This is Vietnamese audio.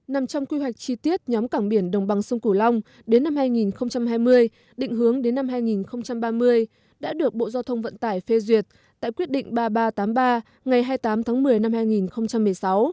nằm trong quy hoạch chi tiết nhóm cảng biển đồng bằng sông cửu long đến năm hai nghìn hai mươi định hướng đến năm hai nghìn ba mươi đã được bộ giao thông vận tải phê duyệt tại quyết định ba nghìn ba trăm tám mươi ba ngày hai mươi tám tháng một mươi năm hai nghìn một mươi sáu